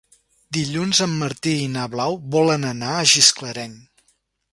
Dilluns en Martí i na Blau volen anar a Gisclareny.